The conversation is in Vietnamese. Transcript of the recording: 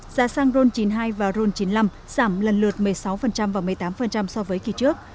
giá xăng ron chín mươi hai và ron chín mươi năm giảm lần lượt một mươi sáu và một mươi tám so với kỳ trước